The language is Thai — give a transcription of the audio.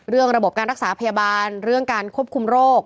ระบบการรักษาพยาบาลเรื่องการควบคุมโรค